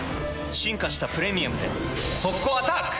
進化した「プレミアム」で速攻アタック！